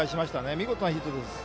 見事なヒットです。